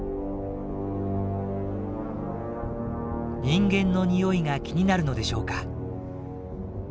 人間のにおいが気になるのでしょうか。